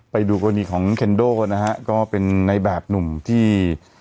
ไปดูคนนี้ของเค็นโด้นะครับก็เป็นในแบบหนุ่มที่